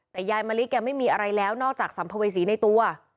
แต่ยายมะลิแกไม่มีอะไรแล้วนอกจากสัมภเวษีในตัว